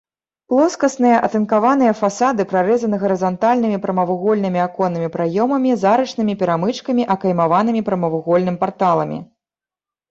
Плоскасныя атынкаваныя фасады прарэзаны гарызантальнымі прамавугольнымі аконнымі праёмамі з арачнымі перамычкамі, акаймаванымі прамавугольным парталамі.